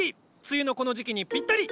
梅雨のこの時期にぴったり！